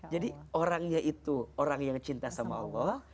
jadi orangnya itu orang yang cinta sama allah